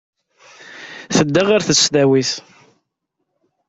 Tedda ɣer tesdawit.